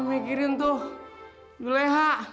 mikirin tuh julehah